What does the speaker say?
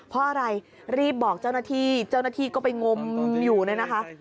เพราะอะไรรีบบอกเจ้าหน้าที่เจ้าหน้าที่ก็ไปงมอยู่เนี่ยนะคะ